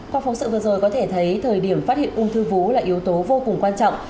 qua phóng sự vừa rồi có thể thấy thời điểm phát hiện ung thư vú là yếu tố vô cùng quan trọng